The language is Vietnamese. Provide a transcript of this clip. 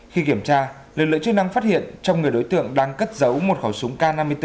khi kiểm tra lực lượng chức năng phát hiện trong người đối tượng đang cất giấu một khẩu súng k năm mươi bốn